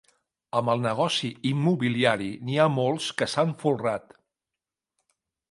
Amb el negoci immobiliari, n'hi ha molts que s'han folrat.